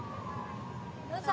どうぞ。